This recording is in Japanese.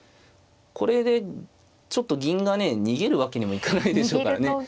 これでちょっと銀がね逃げるわけにもいかないでしょうからね。